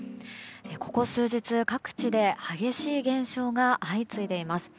ここ数日、各地で激しい現象が相次いでいます。